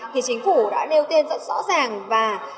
thì chính phủ đã nêu tên rất rõ ràng và